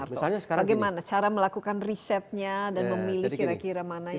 bagaimana cara melakukan risetnya dan memilih kira kira mana